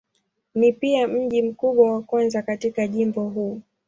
Ni pia mji mkubwa wa kwanza katika jimbo huu.